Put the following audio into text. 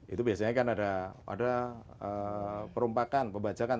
itu biasanya kan ada perompakan pembajakan